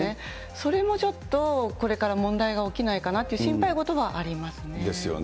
それもちょっと、これから問題が起きないかなという心配事はありますね。